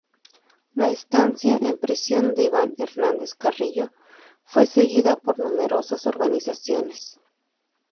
La estancia en prisión de Iván Hernández Carrillo fue seguida por numerosas organizaciones.